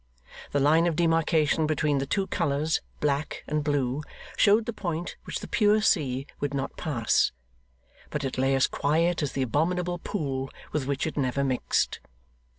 The line of demarcation between the two colours, black and blue, showed the point which the pure sea would not pass; but it lay as quiet as the abominable pool, with which it never mixed.